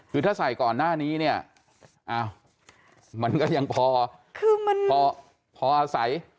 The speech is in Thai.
คือถ้าใส่ก่อนหน้านี้เนี่ยอ้าวมันก็ยังพอคือมันพอพออาศัย